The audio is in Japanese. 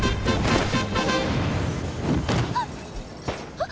あっ！